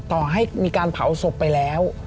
ต่อให้มีการเผาศพไปแล้ว